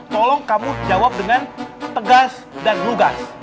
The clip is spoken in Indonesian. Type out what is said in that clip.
tolong kamu jawab dengan tegas dan lugas